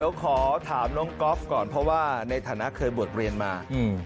เดี๋ยวขอถามน้องก๊อฟก่อนเพราะว่าในฐานะเคยบวชเรียนมา